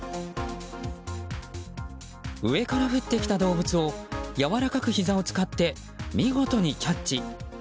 上から降ってきた動物をやわらかくひざを使って見事にキャッチ。